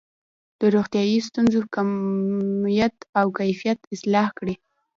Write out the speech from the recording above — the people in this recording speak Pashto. د روغتیايي ستونزو کمیت او کیفیت اصلاح کړي.